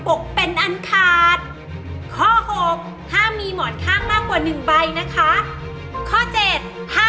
ส่วนเคล็ดและพิเศษที่จะทำให้ความรักเหนียวแน่นจะเป็นอะไร